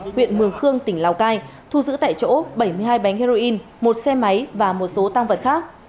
huyện mường khương tỉnh lào cai thu giữ tại chỗ bảy mươi hai bánh heroin một xe máy và một số tăng vật khác